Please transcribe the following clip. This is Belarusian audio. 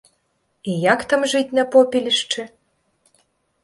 І як там жыць на попелішчы?